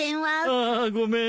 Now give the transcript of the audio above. ああごめん。